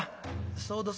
「そうどすか。